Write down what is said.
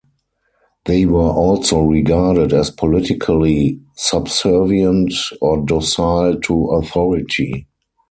They were also regarded as politically subservient or docile to authority.